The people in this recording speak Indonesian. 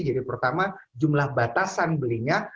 jadi pertama jumlah batasan belinya